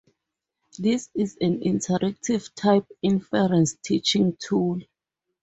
This is an interactive type inference teaching tool